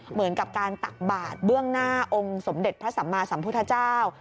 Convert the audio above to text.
เหมือนกับการตักบาทเบื้องหน้าองค์สมเด็จพระสัมมาสัมพุทธเจ้า